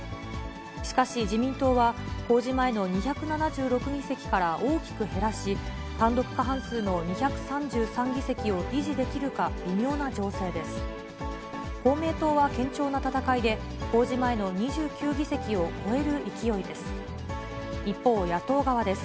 しかし自民党は、公示前の２７６議席から大きく減らし、単独過半数の２３３議席を維持できるか、微妙な情勢です。